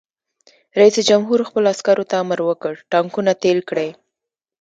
رئیس جمهور خپلو عسکرو ته امر وکړ؛ ټانکونه تېل کړئ!